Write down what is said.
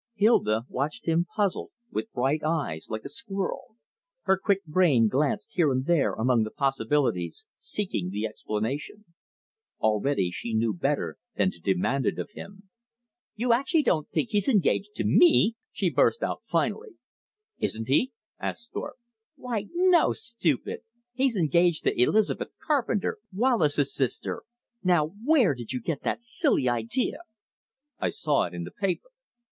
Hilda watched him puzzled, with bright eyes, like a squirrel. Her quick brain glanced here and there among the possibilities, seeking the explanation. Already she knew better than to demand it of him. "You actually don't think he's engaged to ME!" she burst out finally. "Isn't he?" asked Thorpe. "Why no, stupid! He's engaged to Elizabeth Carpenter, Wallace's sister. Now WHERE did you get that silly idea?" "I saw it in the paper."